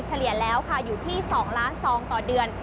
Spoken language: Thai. เฉลี่ยแล้วค่ะอยู่ที่๒ล้านซองต่อเดือน